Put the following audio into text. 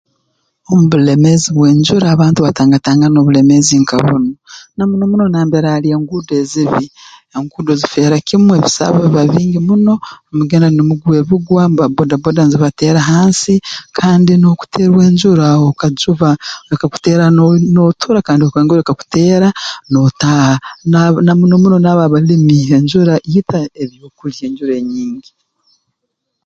Omu bulemeezi bw'enjura abantu batangatangana obulemeezi nka bunu na muno muno nambere ali enguude ezibi enguudo zifeera kimu ebisaabu biba bingi muno numugenda numugwa ebigwo boda boda nzibateera hansi kandi nookuterwa enjura okajuba ekakuteera no nootura kandi ekongera ekakuteera nootaaha na muno muno naabo abalimi enjura ita ebyokulya enjura enyingi